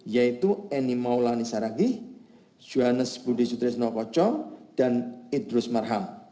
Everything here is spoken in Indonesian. yaitu eni maulani saragih johannes budi sutrisno pocong dan idrus marham